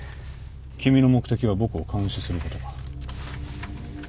君の目的は僕を監視することか？